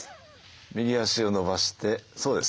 右足を伸ばしてそうですね。